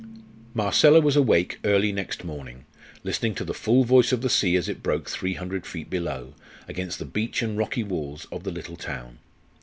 Marcella was awake early next morning, listening to the full voice of the sea as it broke three hundred feet below, against the beach and rocky walls of the little town.